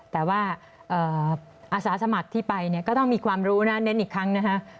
แต่ว่าอาสาสมัครที่ไปก็ต้องมีความรู้เน้นอีกครั้งนะครับ